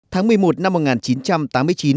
tháng một mươi một năm hai nghìn một mươi chín